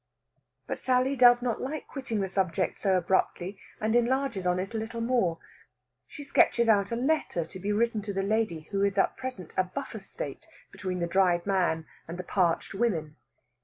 But Sally does not like quitting the subject so abruptly, and enlarges on it a little more. She sketches out a letter to be written to the lady who is at present a buffer state between the dried man and the parched women.